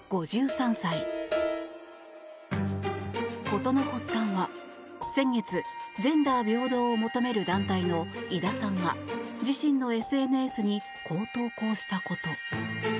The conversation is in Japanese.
事の発端は、先月ジェンダー平等を求める団体の井田さんが自身のＳＮＳにこう投稿したこと。